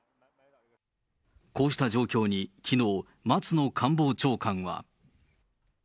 こうした状況に、きのう、松野官房長官は。